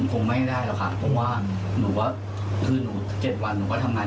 เพราะว่าเป็นลูกพี่ร่วมน้องกัน